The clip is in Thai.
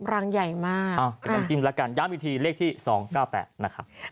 รังใหญ่มากเป็นน้ำจิ้มแล้วกันย้ำอีกทีเลขที่๒๙๘นะครับ